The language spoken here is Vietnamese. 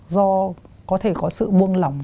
do có thể có sự buông lỏng